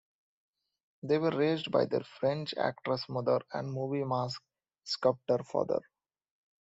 They were raised by their French actress mother and movie-mask sculptor father.